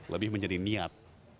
lebih menjadi niat